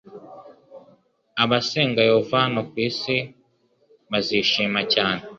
Abasenga Yehova hano ku isi bazishima cyane